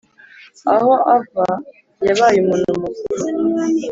aho ava yabaye umuntu mukuru